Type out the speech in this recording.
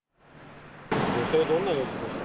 女性はどんな様子でした？